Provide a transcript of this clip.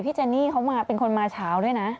เจนนี่เขามาเป็นคนมาเช้าด้วยนะ